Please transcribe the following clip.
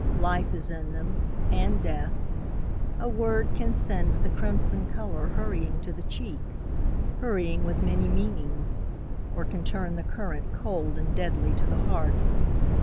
Life is in them, and death. A word can send The crimson colour hurrying to the cheek. Hurrying with many meanings; or can turn The current cold and deadly to the heart.